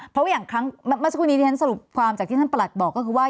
เพราะอย่างมาเศรษฐวันนี้ทั้งโลกหน่อยทางสรุปความจากที่ท่านปรัสบอกก็คือว่า